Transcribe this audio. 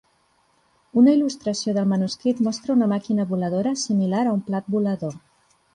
Una il·lustració del manuscrit mostra una màquina voladora similar a un plat volador.